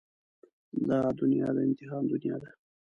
دا دنيا د امتحان دنيا ده.